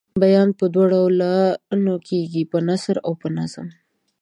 بیان په دوو ډولونو کیږي په نثر او په نظم.